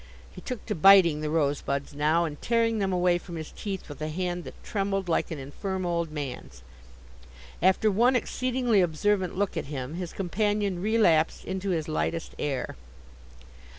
He took to biting the rosebuds now, and tearing them away from his teeth with a hand that trembled like an infirm old man's. After one exceedingly observant look at him, his companion relapsed into his lightest air.